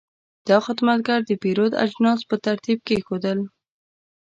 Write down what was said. دا خدمتګر د پیرود اجناس په ترتیب کېښودل.